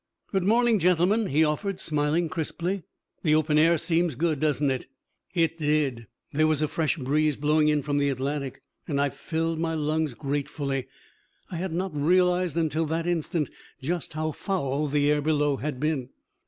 "Good morning, gentlemen," he offered, smiling crisply. "The open air seems good, doesn't it?" It did. There was a fresh breeze blowing in from the Atlantic, and I filled my lungs gratefully. I had not realized until that instant just how foul the air below had been.